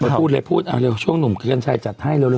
พูดเลยพูดเอาเร็วช่วงหนุ่มคือกัญชัยจัดให้เร็ว